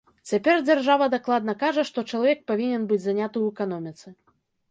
Цяпер дзяржава дакладна кажа, што чалавек павінен быць заняты ў эканоміцы.